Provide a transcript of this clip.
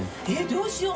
┐どうしよう？